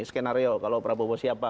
skenario kalau prabowo siapa